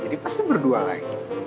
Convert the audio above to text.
jadi pasti berdua lagi